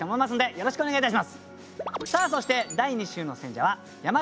よろしくお願いします。